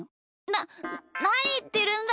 ななにいってるんだよ！